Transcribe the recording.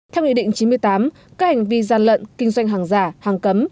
theo nghị định chín mươi tám các hành vi gian lận kinh doanh hàng giả hàng cấm